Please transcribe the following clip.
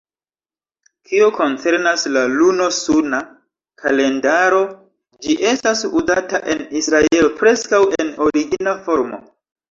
Kio koncernas al luno-suna kalendaro, ĝi estas uzata en Israelo preskaŭ en origina formo.